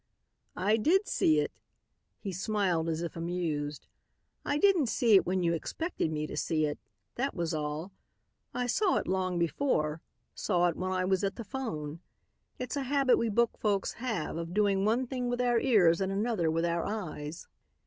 "I did see it," he smiled, as if amused. "I didn't see it when you expected me to see it, that was all. I saw it long before saw it when I was at the phone. It's a habit we book folks have of doing one thing with our ears and another with our eyes.